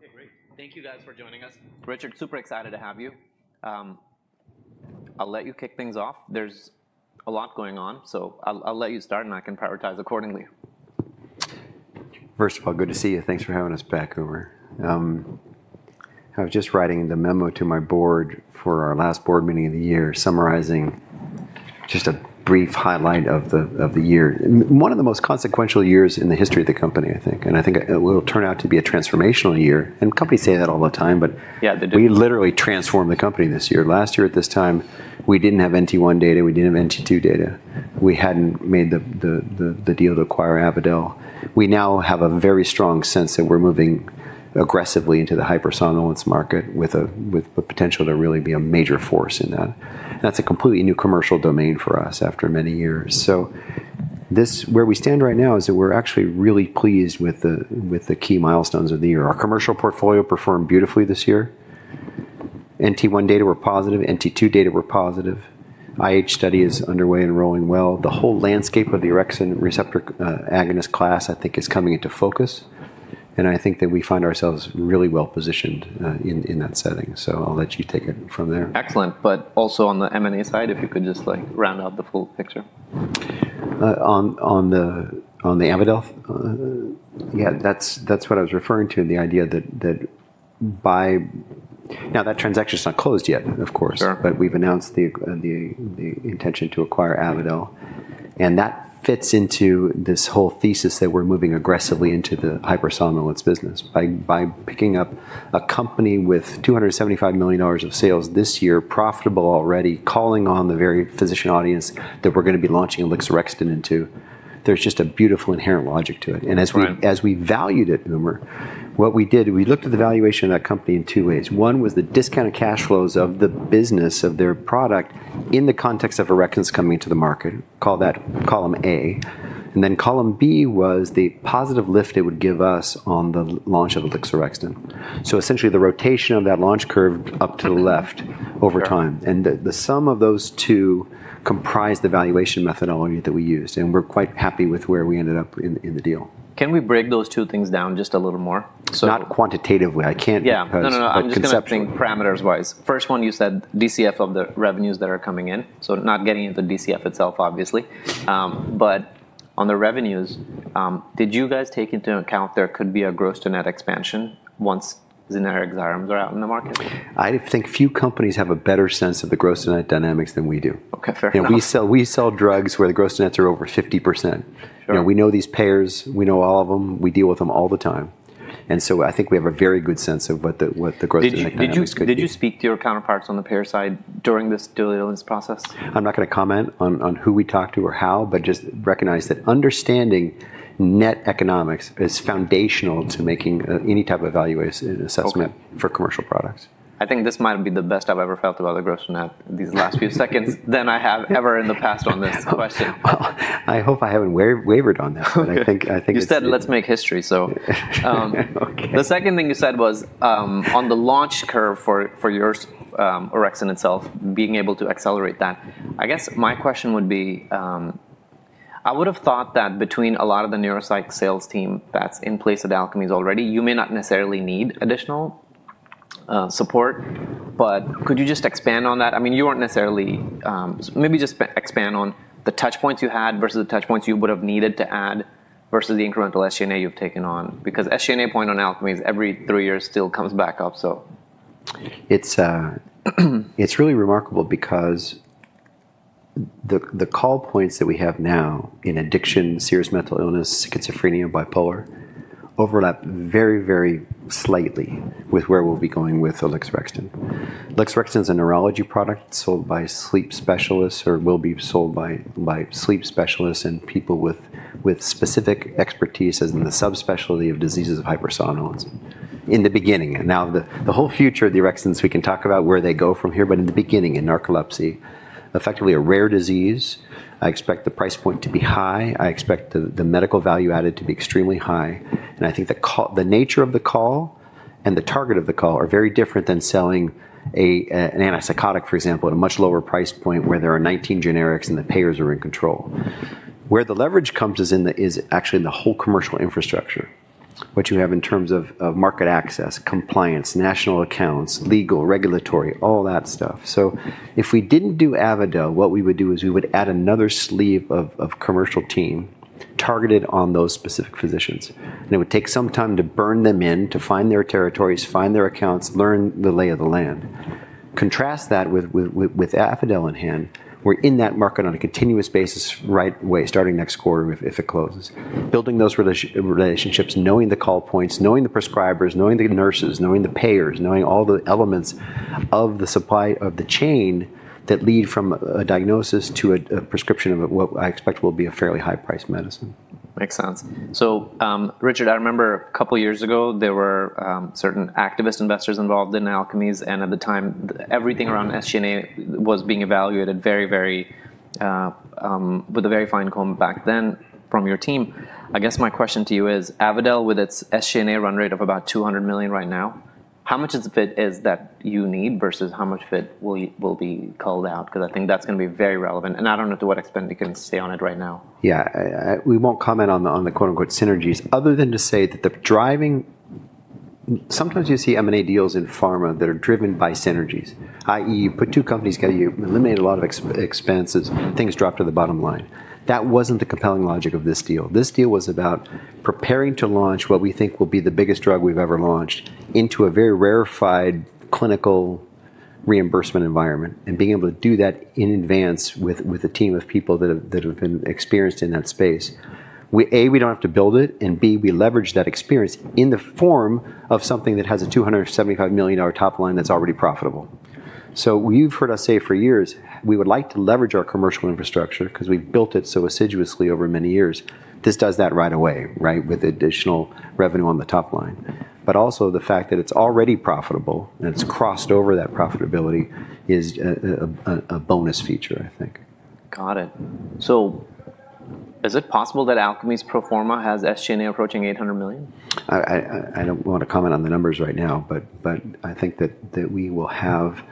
Okay, great. Thank you, guys, for joining us. Richard, super excited to have you. I'll let you kick things off. There's a lot going on, so I'll let you start, and I can prioritize accordingly. First of all, good to see you. Thanks for having us back, Uber. I was just writing the memo to my board for our last board meeting of the year, summarizing just a brief highlight of the year. One of the most consequential years in the history of the company, I think. And I think it will turn out to be a transformational year. And companies say that all the time, but we literally transformed the company this year. Last year, at this time, we didn't have NT1 data. We didn't have NT2 data. We hadn't made the deal to acquire Avadel. We now have a very strong sense that we're moving aggressively into the hypersomnia market with the potential to really be a major force in that. That's a completely new commercial domain for us after many years. So where we stand right now is that we're actually really pleased with the key milestones of the year. Our commercial portfolio performed beautifully this year. NT1 data were positive. NT2 data were positive. IH study is underway and rolling well. The whole landscape of the orexin receptor agonist class, I think, is coming into focus. And I think that we find ourselves really well positioned in that setting. So I'll let you take it from there. Excellent, but also on the M&A side, if you could just round out the full picture. On the Avadel, yeah, that's what I was referring to, the idea that by now that transaction is not closed yet, of course, but we've announced the intention to acquire Avadel, and that fits into this whole thesis that we're moving aggressively into the hypersomnia business. By picking up a company with $275 million of sales this year, profitable already, calling on the very physician audience that we're going to be launching ALKS 2680 into, there's just a beautiful inherent logic to it, and as we valued it, Umer, what we did, we looked at the valuation of that company in two ways. One was the discounted cash flows of the business of their product in the context of orexin's coming to the market, call that column A, and then column B was the positive lift it would give us on the launch of ALKS 2680. So essentially, the rotation of that launch curve up to the left over time. And the sum of those two comprised the valuation methodology that we used. And we're quite happy with where we ended up in the deal. Can we break those two things down just a little more? Not quantitatively. I can't. Yeah, no, no. I'm just asking parameters-wise. First one, you said DCF of the revenues that are coming in, so not getting into DCF itself, obviously, but on the revenues, did you guys take into account there could be a gross-to-net expansion once generic Xyrem's are out in the market? I think few companies have a better sense of the gross-to-net dynamics than we do. Okay, fair point. We sell drugs where the gross-to-net are over 50%. We know these payers. We know all of them. We deal with them all the time. And so I think we have a very good sense of what the gross-to-net dynamics could be. Did you speak to your counterparts on the payer side during this due diligence process? I'm not going to comment on who we talked to or how, but just recognize that understanding net economics is foundational to making any type of value assessment for commercial products. I think this might be the best I've ever felt about the gross-to-net these last few seconds than I have ever in the past on this question. Well, I hope I haven't wavered on that. But I think You said, "Let's make history." So the second thing you said was on the launch curve for your Orexin itself, being able to accelerate that. I guess my question would be, I would have thought that between a lot of the neuropsych sales team that's in place at Alkermes already, you may not necessarily need additional support. But could you just expand on that? I mean, you weren't necessarily maybe just expand on the touchpoints you had versus the touchpoints you would have needed to add versus the incremental SG&A you've taken on. Because SG&A point on Alkermes every three years still comes back up, so. It's really remarkable because the call points that we have now in addiction, serious mental illness, schizophrenia, bipolar overlap very, very slightly with where we'll be going with ALKS 2680. ALKS 2680 is a neurology product sold by sleep specialists or will be sold by sleep specialists and people with specific expertise as in the subspecialty of diseases of hypersomnia. In the beginning. Now, the whole future of the Orexins, we can talk about where they go from here, but in the beginning, in narcolepsy, effectively a rare disease. I expect the price point to be high. I expect the medical value added to be extremely high. And I think the nature of the call and the target of the call are very different than selling an antipsychotic, for example, at a much lower price point where there are 19 generics and the payers are in control. Where the leverage comes is actually in the whole commercial infrastructure, what you have in terms of market access, compliance, national accounts, legal, regulatory, all that stuff. So if we didn't do Avadel, what we would do is we would add another sleeve of commercial team targeted on those specific physicians. And it would take some time to burn them in, to find their territories, find their accounts, learn the lay of the land. Contrast that with Avadel in hand. We're in that market on a continuous basis right away, starting next quarter if it closes. Building those relationships, knowing the call points, knowing the prescribers, knowing the nurses, knowing the payers, knowing all the elements of the supply chain that lead from a diagnosis to a prescription of what I expect will be a fairly high-priced medicine. Makes sense. So Richard, I remember a couple of years ago, there were certain activist investors involved in Alkermes. And at the time, everything around SG&A was being evaluated with a very fine comb back then from your team. I guess my question to you is, Avadel, with its SG&A run rate of about $200 million right now, how much of it is that you need versus how much of it will be called out? Because I think that's going to be very relevant. And I don't know to what extent you can stay on it right now. Yeah, we won't comment on the "synergies" other than to say that sometimes you see M&A deals in pharma that are driven by synergies. i.e., you put two companies together, you eliminate a lot of expenses, things drop to the bottom line. That wasn't the compelling logic of this deal. This deal was about preparing to launch what we think will be the biggest drug we've ever launched into a very rarefied clinical reimbursement environment and being able to do that in advance with a team of people that have been experienced in that space. A, we don't have to build it. And B, we leverage that experience in the form of something that has a $275 million top line that's already profitable. So you've heard us say for years, we would like to leverage our commercial infrastructure because we've built it so assiduously over many years. This does that right away, right, with additional revenue on the top line. But also the fact that it's already profitable and it's crossed over that profitability is a bonus feature, I think. Got it. So is it possible that Alkermes pro forma has SG&A approaching $800 million? I don't want to comment on the numbers right now, but I think that we will have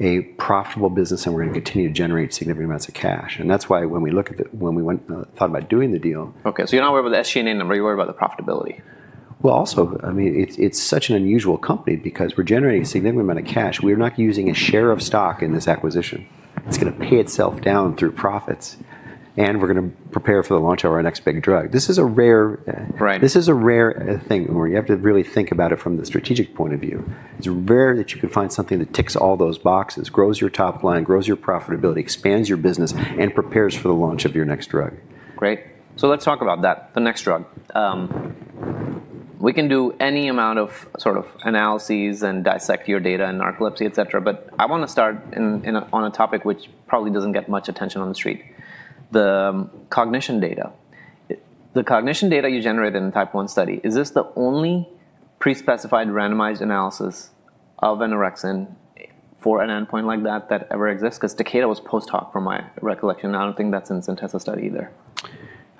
a profitable business and we're going to continue to generate significant amounts of cash, and that's why when we thought about doing the deal... Okay, so you're not worried about the SG&A number. You're worried about the profitability. Also, I mean, it's such an unusual company because we're generating a significant amount of cash. We're not using a share of stock in this acquisition. It's going to pay itself down through profits. And we're going to prepare for the launch of our next big drug. This is a rare thing, Umer. You have to really think about it from the strategic point of view. It's rare that you can find something that ticks all those boxes, grows your top line, grows your profitability, expands your business, and prepares for the launch of your next drug. Great. So let's talk about that, the next drug. We can do any amount of sort of analyses and dissect your data in narcolepsy, et cetera. But I want to start on a topic which probably doesn't get much attention on the street, the cognition data. The cognition data you generated in type one study, is this the only pre-specified randomized analysis of an orexin for an endpoint like that that ever exists? Because Takeda was post-hoc, from my recollection. I don't think that's in the Synthesa study either.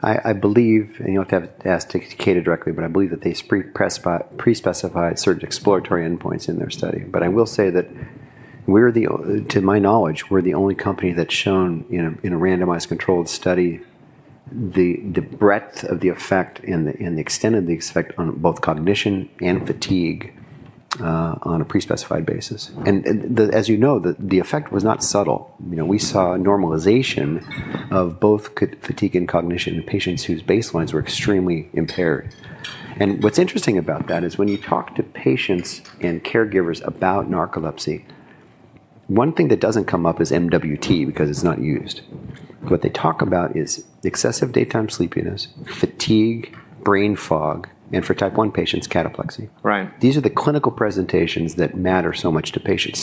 I believe, and you'll have to ask Takeda directly, but I believe that they pre-specified certain exploratory endpoints in their study, but I will say that to my knowledge, we're the only company that's shown in a randomized controlled study the breadth of the effect and the extent of the effect on both cognition and fatigue on a pre-specified basis, and as you know, the effect was not subtle. We saw normalization of both fatigue and cognition in patients whose baselines were extremely impaired, and what's interesting about that is when you talk to patients and caregivers about narcolepsy, one thing that doesn't come up is MWT because it's not used. What they talk about is excessive daytime sleepiness, fatigue, brain fog, and for type I patients, cataplexy. These are the clinical presentations that matter so much to patients.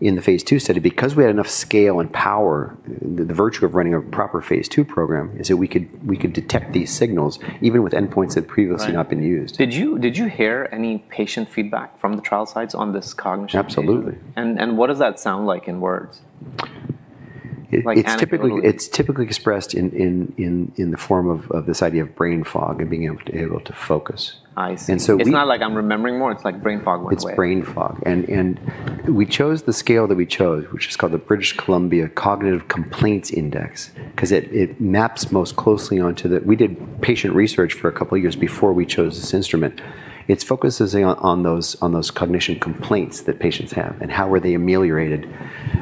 In the phase II study, because we had enough scale and power, the virtue of running a proper phase II program is that we could detect these signals even with endpoints that had previously not been used. Did you hear any patient feedback from the trial sites on this cognition? Absolutely. And what does that sound like in words? It's typically expressed in the form of this idea of brain fog and being able to focus. I see. It's not like I'm remembering more. It's like brain fog went away. It's brain fog, and we chose the scale that we chose, which is called the British Columbia Cognitive Complaints Inventory, because it maps most closely onto. We did patient research for a couple of years before we chose this instrument. It's focusing on those cognitive complaints that patients have and how were they ameliorated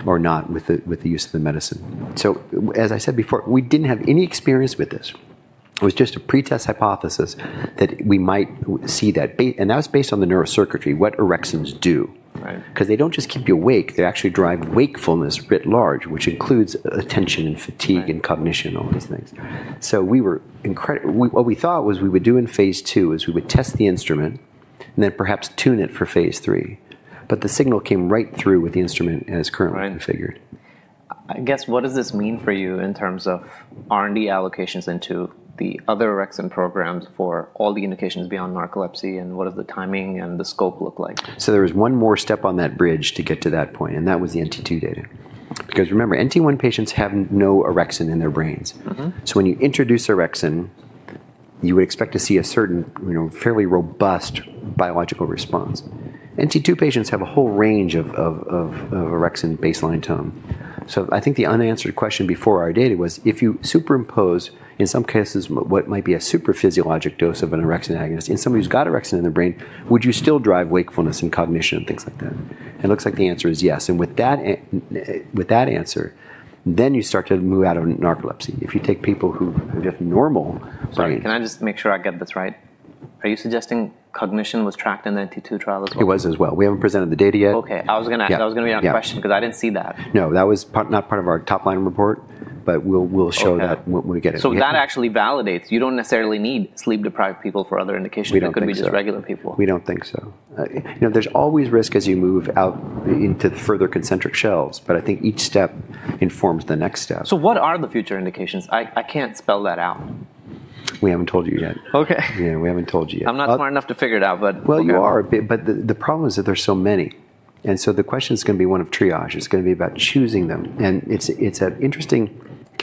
or not with the use of the medicine, so as I said before, we didn't have any experience with this. It was just a pretest hypothesis that we might see that, and that was based on the neurocircuitry, what orexins do. Because they don't just keep you awake. They actually drive wakefulness a bit large, which includes attention and fatigue and cognition and all these things, so what we thought was we would do in phase II is we would test the instrument and then perhaps tune it for phase III. But the signal came right through with the instrument as currently configured. I guess what does this mean for you in terms of R&D allocations into the other Orexin programs for all the indications beyond narcolepsy? And what does the timing and the scope look like? So there was one more step on that bridge to get to that point. And that was the NT2 data. Because remember, NT1 patients have no Orexin in their brains. So when you introduce Orexin, you would expect to see a certain fairly robust biological response. NT2 patients have a whole range of Orexin baseline tone. So I think the unanswered question before our data was if you superimpose, in some cases, what might be a super physiologic dose of an Orexin agonist in somebody who's got Orexin in their brain, would you still drive wakefulness and cognition and things like that? And it looks like the answer is yes. And with that answer, then you start to move out of narcolepsy. If you take people who have normal brain... Sorry, can I just make sure I get this right? Are you suggesting cognition was tracked in the NT2 trial as well? It was as well. We haven't presented the data yet. Okay. I was going to ask. I was going to be on a question because I didn't see that. No, that was not part of our top line report, but we'll show that when we get it. So that actually validates you don't necessarily need sleep-deprived people for other indications We don't think so. -that could be just regular people. We don't think so. There's always risk as you move out into further concentric shells. But I think each step informs the next step. So what are the future indications? I can't spell that out. We haven't told you yet. Okay. Yeah, we haven't told you yet. I'm not smart enough to figure it out, but. Well, you are. But the problem is that there's so many. And so the question is going to be one of triage. It's going to be about choosing them. And it's an interesting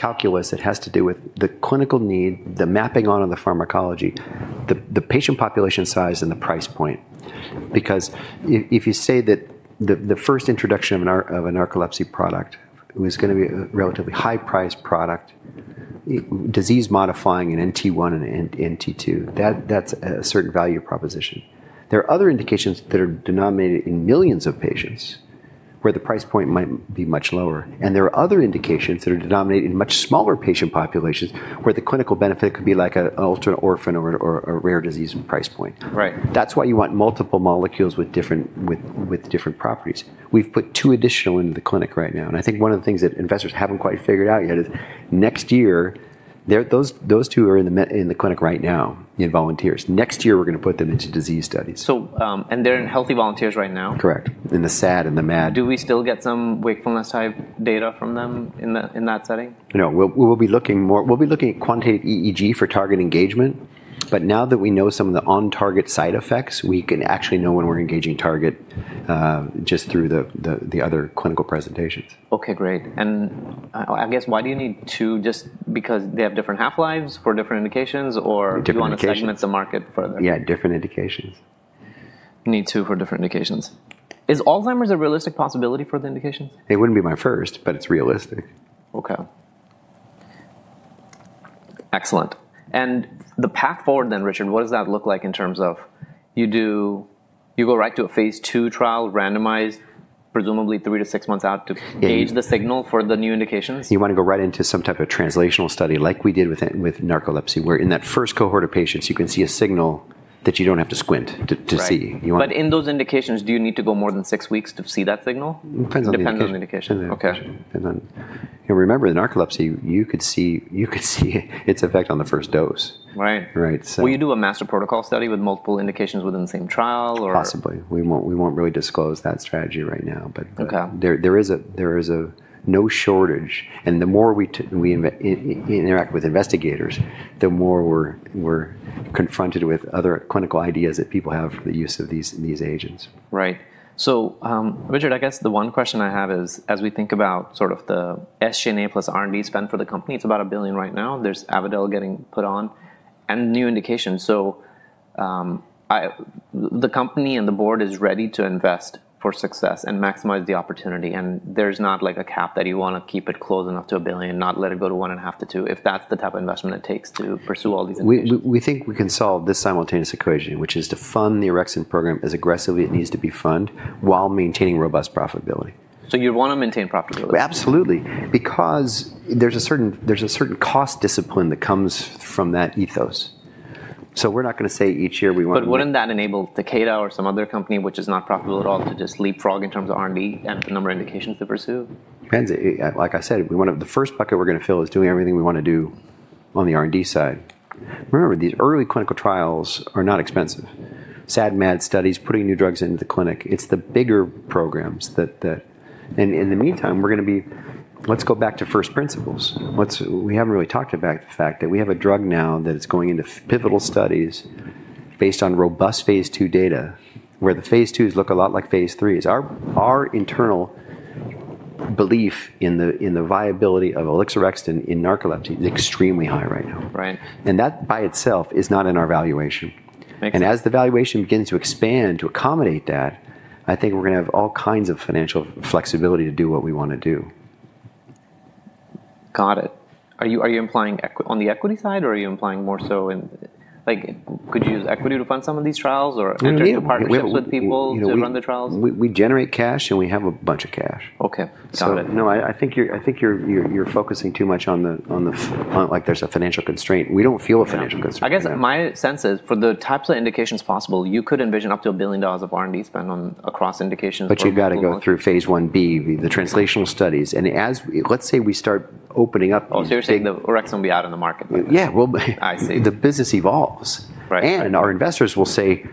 calculus that has to do with the clinical need, the mapping onto the pharmacology, the patient population size, and the price point. Because if you say that the first introduction of a narcolepsy product was going to be a relatively high-priced product, disease-modifying in NT1 and NT2, that's a certain value proposition. There are other indications that are denominated in millions of patients where the price point might be much lower. And there are other indications that are denominated in much smaller patient populations where the clinical benefit could be like an alternate orphan or a rare disease price point. That's why you want multiple molecules with different properties. We've put two additional into the clinic right now, and I think one of the things that investors haven't quite figured out yet is next year, those two are in the clinic right now, in volunteers. Next year, we're going to put them into disease studies. They're in healthy volunteers right now? Correct. In the SAD and the MAD. Do we still get some wakefulness type data from them in that setting? No. We'll be looking at quantitative EEG for target engagement. But now that we know some of the on-target side effects, we can actually know when we're engaging target just through the other clinical presentations. Okay, great. And I guess why do you need two? Just because they have different half-lives for different indications or you want to segment the market further? Yeah, different indications. You need two for different indications. Is Alzheimer's a realistic possibility for the indications? It wouldn't be my first, but it's realistic. Okay. Excellent. And the path forward then, Richard, what does that look like in terms of you go right to a phase II trial, randomized, presumably three to six months out to gauge the signal for the new indications? You want to go right into some type of translational study like we did with narcolepsy, where in that first cohort of patients, you can see a signal that you don't have to squint to see. Right, but in those indications, do you need to go more than six weeks to see that signal? It depends on the indication. It depends on the indication. Okay. And remember, in narcolepsy, you could see its effect on the first dose. Right. Will you do a master protocol study with multiple indications within the same trial or? Possibly. We won't really disclose that strategy right now, but there is no shortage, and the more we interact with investigators, the more we're confronted with other clinical ideas that people have for the use of these agents. Right. So Richard, I guess the one question I have is, as we think about sort of the SG&A plus R&D spend for the company, it's about $1 billion right now. There's Avadel getting put on and new indications. So the company and the board is ready to invest for success and maximize the opportunity. And there's not like a cap that you want to keep it close enough to $1 billion, not let it go to $1.5 billion-$2 billion, if that's the type of investment it takes to pursue all these indications. We think we can solve this simultaneous equation, which is to fund the Orexin program as aggressively as it needs to be funded while maintaining robust profitability. You'd want to maintain profitability. Absolutely. Because there's a certain cost discipline that comes from that ethos. So we're not going to say each year we want to... But wouldn't that enable Takeda or some other company, which is not profitable at all, to just leapfrog in terms of R&D and the number of indications to pursue? Like I said, the first bucket we're going to fill is doing everything we want to do on the R&D side. Remember, these early clinical trials are not expensive. SAD, MAD studies, putting new drugs into the clinic. It's the bigger programs. And in the meantime, let's go back to first principles. We haven't really talked about the fact that we have a drug now that is going into pivotal studies based on robust phase II data, where the phase IIs look a lot like phase IIIs. Our internal belief in the viability of ALKS 2680 in narcolepsy is extremely high right now. And that by itself is not in our valuation. And as the valuation begins to expand to accommodate that, I think we're going to have all kinds of financial flexibility to do what we want to do. Got it. Are you implying on the equity side or are you implying more so in could you use equity to fund some of these trials or enter into partnerships with people to run the trials? We generate cash and we have a bunch of cash. Okay. Got it. So no, I think you're focusing too much on like there's a financial constraint. We don't feel a financial constraint. I guess my sense is for the types of indications possible, you could envision up to $1 billion of R&D spend across indications. But you've got to go through phase Ib, the translational studies. And let's say we start opening up. Oh, so you're saying the Orexin will be out in the market? Yeah. I see. The business evolves, and our investors will say,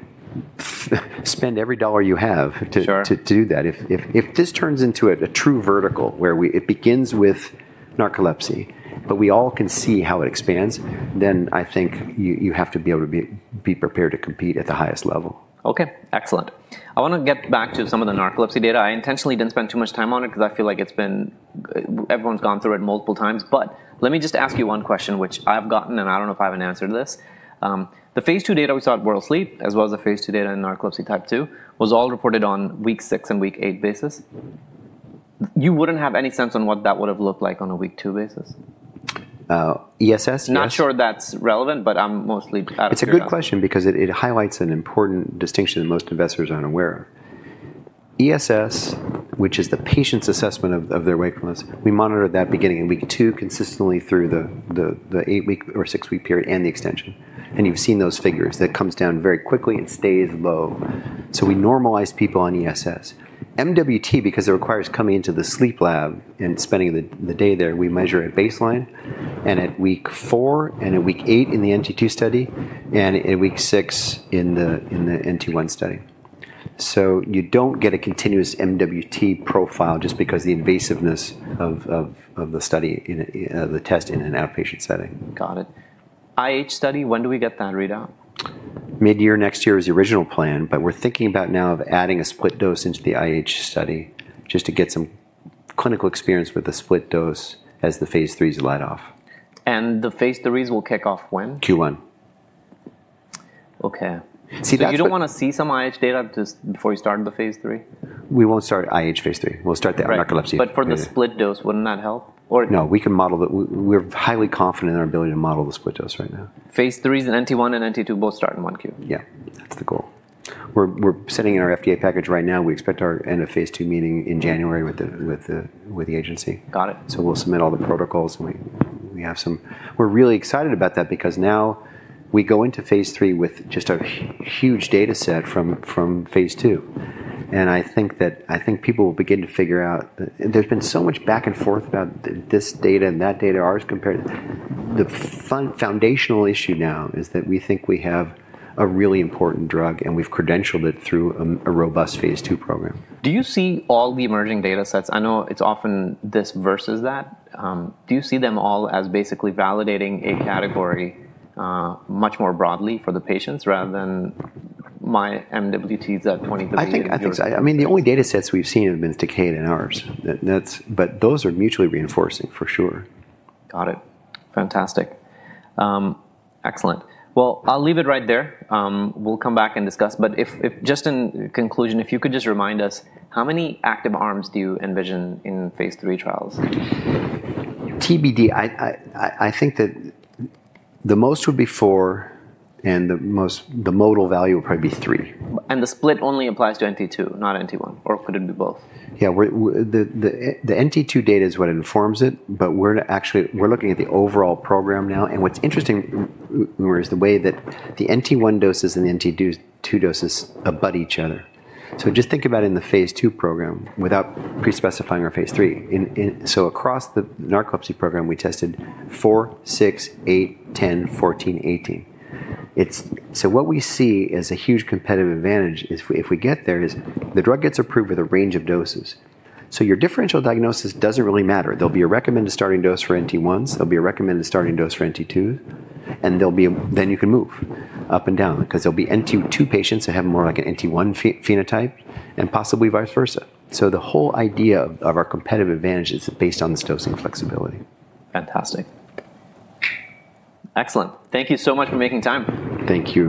"Spend every dollar you have to do that." If this turns into a true vertical where it begins with narcolepsy, but we all can see how it expands, then I think you have to be able to be prepared to compete at the highest level. Excellent. I want to get back to some of the narcolepsy data. I intentionally didn't spend too much time on it because I feel like everyone's gone through it multiple times. But let me just ask you one question, which I've gotten and I don't know if I have an answer to this. The phase II data we saw at World Sleep, as well as the phase II data in narcolepsy type two, was all reported on week six and week eight basis. You wouldn't have any sense on what that would have looked like on a week two basis? ESS? Not sure that's relevant, but I'm mostly out of touch. It's a good question because it highlights an important distinction that most investors aren't aware of. ESS, which is the patient's assessment of their wakefulness, we monitored that beginning in week two consistently through the eight-week or six-week period and the extension, and you've seen those figures. That comes down very quickly and stays low, so we normalize people on ESS. MWT, because it requires coming into the sleep lab and spending the day there, we measure at baseline and at week four and at week eight in the NT2 study and at week six in the NT1 study, so you don't get a continuous MWT profile just because of the invasiveness of the test in an outpatient setting. Got it. IH study, when do we get that readout? Mid-year next year was the original plan. But we're thinking about now of adding a split dose into the IH study just to get some clinical experience with the split dose as the phase IIIs light off. The phase IIIs will kick off when? Q1. Okay. You don't want to see some IH data just before you start the phase III? We won't start IH phase III. We'll start the narcolepsy phase. But for the split dose, wouldn't that help? No, we can model that. We're highly confident in our ability to model the split dose right now. Phase IIIs in NT1 and NT2 both start in one Q? Yeah. That's the goal. We're sending in our FDA package right now. We expect our end-of-phase-two meeting in January with the agency. Got it. So we'll submit all the protocols. We have some. We're really excited about that because now we go into phase III with just a huge data set from phase II. And I think people will begin to figure out there's been so much back and forth about this data and that data as compared. The foundational issue now is that we think we have a really important drug and we've credentialed it through a robust phase II program. Do you see all the emerging data sets? I know it's often this versus that. Do you see them all as basically validating a category much more broadly for the patients rather than my MWTs at 20 [audiodistortion]? I think so. I mean, the only data sets we've seen have been Takeda and ours. But those are mutually reinforcing for sure. Got it. Fantastic. Excellent. Well, I'll leave it right there. We'll come back and discuss. But just in conclusion, if you could just remind us, how many active arms do you envision in phase III trials? TBD, I think that the most would be four and the modal value would probably be three. The split only applies to NT2, not NT1, or could it be both? Yeah. The NT2 data is what informs it. But we're looking at the overall program now. And what's interesting is the way that the NT1 doses and the NT2 doses abut each other. So just think about it in the phase II program without pre-specifying our phase III. So across the narcolepsy program, we tested four, six, eight, ten, fourteen, eighteen. So what we see as a huge competitive advantage if we get there is the drug gets approved with a range of doses. So your differential diagnosis doesn't really matter. There'll be a recommended starting dose for NT1s. There'll be a recommended starting dose for NT2s. And then you can move up and down because there'll be NT2 patients that have more like an NT1 phenotype and possibly vice versa. So the whole idea of our competitive advantage is based on this dosing flexibility. Fantastic. Excellent. Thank you so much for making time. Thank you.